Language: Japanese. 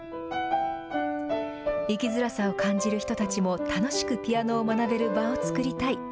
生きづらさを感じる人たちも楽しくピアノを学べる場を作りたい。